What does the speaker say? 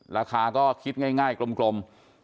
ราคาก็คิดง่ายกลม